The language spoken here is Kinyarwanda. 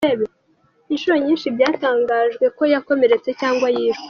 Inshuro nyinshi byatangajwe ko yakomeretse cyangwa yishwe.